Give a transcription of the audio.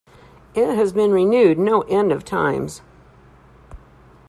It has been renewed no end of times.